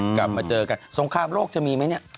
กลับมาเจอกันสงครามโลกจะมีไหมเนี่ย